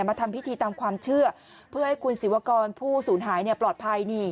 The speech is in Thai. ทำพิธีตามความเชื่อเพื่อให้คุณศิวากรผู้สูญหายปลอดภัย